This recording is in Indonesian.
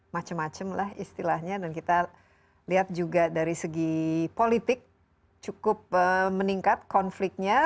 macem macem lah istilahnya dan kita lihat juga dari segi politik cukup meningkat konfliknya